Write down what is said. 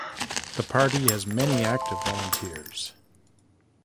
The party has many active volunteers.